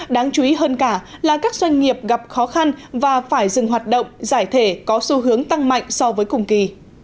đáng chú ý hơn cả là các doanh nghiệp gặp khó khăn và phải dừng hoạt động giải thể có xu hướng tăng mạnh so với cùng kỳ